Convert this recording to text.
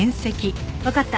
わかった。